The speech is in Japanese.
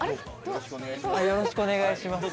よろしくお願いします